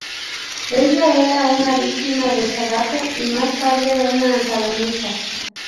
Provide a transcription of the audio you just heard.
Ella era una víctima de Sadako y más tarde una antagonista.